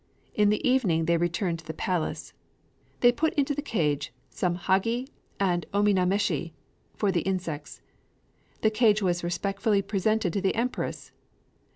In the evening they returned to the palace. They put into the cage some hagi and ominameshi [for the insects]. The cage was respectfully presented to the Empress.